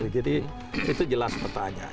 jadi itu jelas petanya